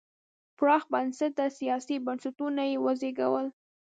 پراخ بنسټه سیاسي بنسټونه یې وزېږول.